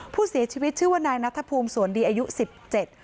ผู้เสียชีวิตชื่อว่านายนัทภูมิสวนดีอายุสิบเจ็ด